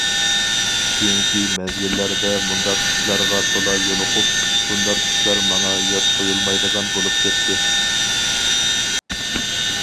كېيىنكى مەزگىللەردە مۇنداق ئىشلارغا تولا يولۇقۇپ، بۇنداق ئىشلار ماڭا يات تۇيۇلمايدىغان بولۇپ كەتتى.